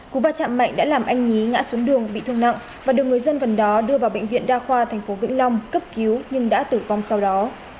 cú va chạm mạnh đã làm anh nhí ngã xuống đường bị thương nặng và được người dân gần đó đưa vào bệnh viện đa khoa tp vĩnh long cấp cứu nhưng đã tử vong sau đó